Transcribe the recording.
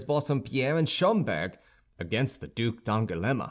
Bassompierre and Schomberg, against the Duc d'Angoulême.